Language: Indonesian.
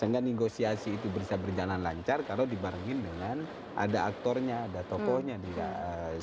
sehingga negosiasi itu bisa berjalan lancar karena dibarengin dengan ada aktornya ada tokoh tokohnya dan lain lainnya